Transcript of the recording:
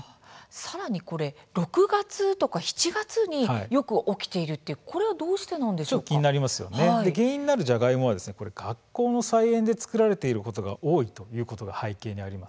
さらに６月とか７月によく起きているという原因となるジャガイモは学校の菜園で作られていることが多いということが背景にあります。